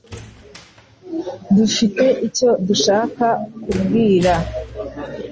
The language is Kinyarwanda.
Dufite icyo dushaka kubwira